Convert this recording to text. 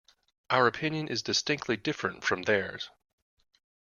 Our opinion is distinctly different from theirs.